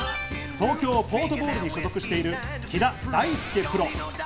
東京ポートボウルに所属している、木田大輔プロ。